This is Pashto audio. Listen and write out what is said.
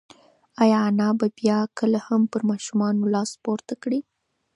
ایا انا به بیا کله هم پر ماشوم لاس پورته کړي؟